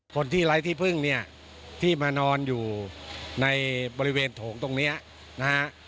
ไร้ที่พึ่งเนี่ยที่มานอนอยู่ในบริเวณโถงตรงนี้นะฮะ